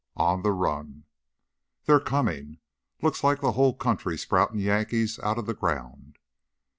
3 _On the Run _ "They're comin'! Looks like the whole country's sproutin' Yankees outta the ground."